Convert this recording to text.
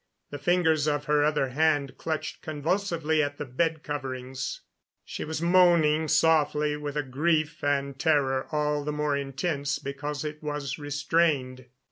The fingers of her other hand clutched convulsively at the bed coverings; she was moaning softly with a grief and terror all the more intense because it was restrained.